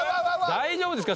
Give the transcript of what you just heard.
大丈夫ですか？